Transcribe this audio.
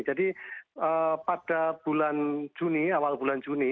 jadi pada bulan juni awal bulan juni